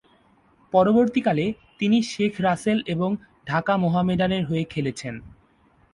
পরবর্তীকালে, তিনি শেখ রাসেল এবং ঢাকা মোহামেডানের হয়ে খেলেছেন।